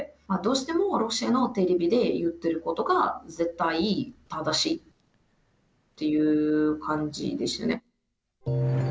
どうしてもロシアのテレビで言ってることが絶対正しいっていう感じですよね。